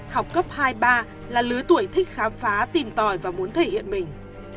học cấp hai ba là lứa tuổi thích khám phá tìm tòi và muốn thể hiện mình